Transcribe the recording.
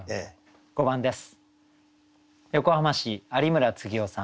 ５番です。